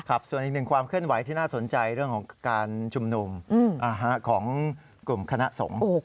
ส่วนอีกหนึ่งความเคลื่อนไหวที่น่าสนใจเรื่องของการชุมนุมของกลุ่มคณะสงฆ์